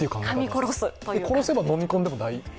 殺せば飲み込んでも大丈夫？